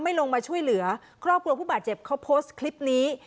ลงมาช่วยเหลือครอบครัวผู้บาดเจ็บเขาโพสต์คลิปนี้